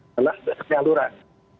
adalah bentuknya aluran